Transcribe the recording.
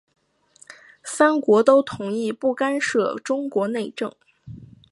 三国都同意不干涉中国内政。